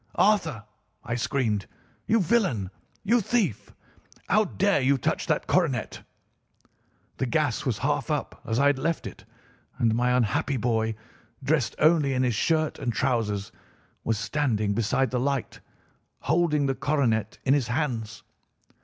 "'Arthur!' I screamed, 'you villain! you thief! How dare you touch that coronet?' "The gas was half up, as I had left it, and my unhappy boy, dressed only in his shirt and trousers, was standing beside the light, holding the coronet in his hands.